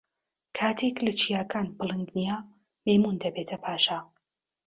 کاتێک لە چیاکان پڵنگ نییە، مەیموون دەبێتە پاشا.